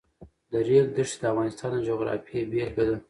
د ریګ دښتې د افغانستان د جغرافیې بېلګه ده.